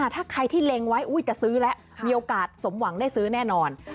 ถ้าใครที่เล็งไว้จะซื้อแล้วมีโอกาสสมหวังได้ซื้อแน่นอน